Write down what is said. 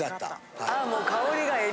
あもう香りがえび。